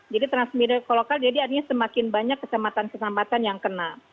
jadi transmisi lokal jadi adanya semakin banyak kecamatan kecamatan yang kena